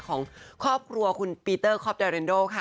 ของครอบครัวคุณปีเตอร์คอปดาเรนโดค่ะ